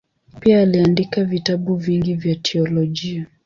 Pia aliandika vitabu vingi vya teolojia.